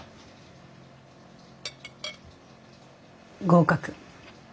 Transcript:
合格。